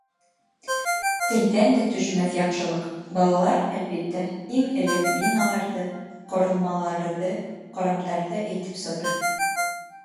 Телдән дә төшмәҫ яҡшылыҡ — Балалар, әлбиттә, иң элек биналарҙы, ҡоролмаларҙы, ҡорамдарҙы әйтеп сығыр.